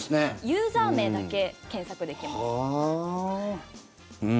ユーザー名だけ検索できます。